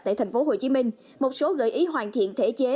tại thành phố hồ chí minh một số gợi ý hoàn thiện thể chế